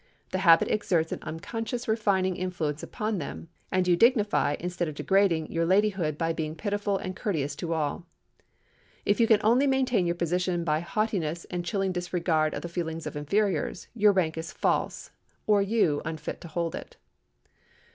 The habit exerts an unconscious refining influence upon them, and you dignify instead of degrading your ladyhood by being pitiful and courteous to all. If you can only maintain your position by haughtiness and chilling disregard of the feelings of inferiors, your rank is false, or you unfit to hold it.